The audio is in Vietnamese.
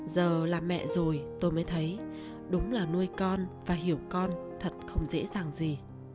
giờ làm mẹ rồi tôi mới thấy đúng là nuôi con và hiểu con thật không dễ dàng gì